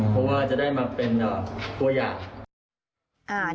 เพราะว่าจะได้มาเป็นตัวอย่าง